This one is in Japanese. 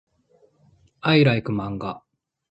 I like manga.